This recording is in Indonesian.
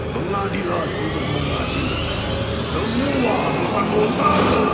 mengadilat untuk mengadil semua manusia